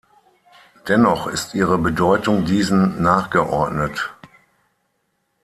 Dennoch ist ihre Bedeutung diesen nachgeordnet.